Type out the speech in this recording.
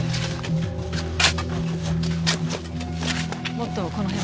もっとこの辺も。